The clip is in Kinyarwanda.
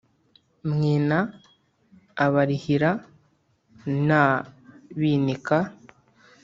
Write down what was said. Mwina Abarihira n’ Abinika